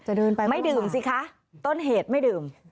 เดินไปไม่ดื่มสิคะต้นเหตุไม่ดื่ม